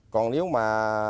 còn nếu mà